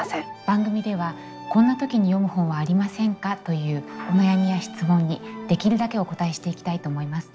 番組では「こんな時に読む本はありませんか？」というお悩みや質問にできるだけお応えしていきたいと思います。